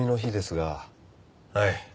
はい。